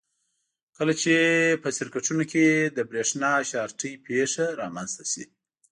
کله چې په سرکټونو کې د برېښنا شارټۍ پېښه رامنځته شي.